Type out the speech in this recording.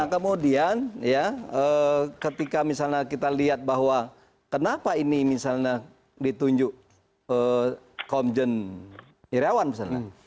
nah kemudian ya ketika misalnya kita lihat bahwa kenapa ini misalnya ditunjuk komjen irawan misalnya